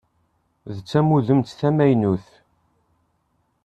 D tamudemt tamaynut.